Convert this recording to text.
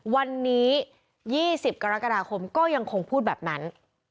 วันนี้๒๐กรกฎาคมก็ยังคงพูดแบบนั้น